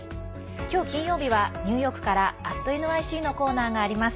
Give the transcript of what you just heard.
今日、金曜日はニューヨークから「＠ｎｙｃ」のコーナーがあります。